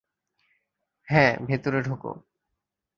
হ্যাঁ, ভেতরে ঢোকো।